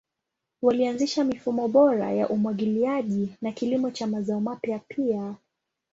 Walianzisha mifumo bora ya umwagiliaji na kilimo cha mazao mapya pia.